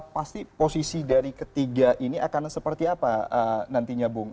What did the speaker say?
pasti posisi dari ketiga ini akan seperti apa nantinya bung